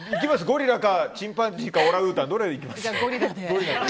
ゴリラかチンパンジーかオランウータン、どれいきます？